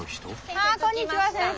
あこんにちは先生。